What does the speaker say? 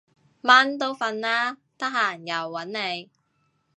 蚊都瞓喇，得閒又搵你